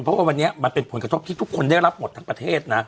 เพราะว่าวันนี้มันเป็นผลกระทบที่ทุกคนได้รับหมดทั้งประเทศนะ